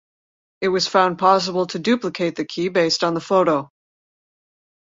It was found possible to duplicate the key based on the photo.